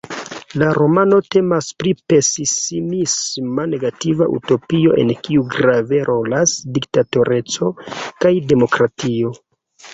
La romano temas pri pesismisma negativa utopio en kiu grave rolas diktatoreco kaj demokratio.